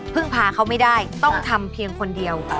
พาเขาไม่ได้ต้องทำเพียงคนเดียว